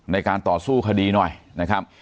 ในการต่อสู้คดีหน่อยนะครับ